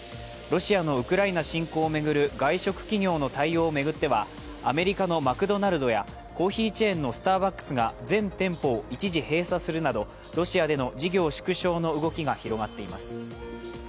ロシアのウクライナ侵攻を巡る外食企業の対応を巡ってはアメリカのマクドナルドやコーヒーチェーンのスターバックスが全店舗を一時閉鎖するなどロシアでの事業縮小の動きが広がっています。